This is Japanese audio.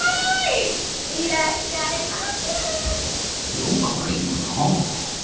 よう変われるよなあ。